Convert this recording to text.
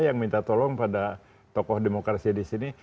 yang minta tolong pada tokoh demokrasi di sini